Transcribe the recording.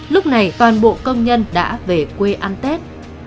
lúc này toàn bộ công nhân đã về quê ăn tết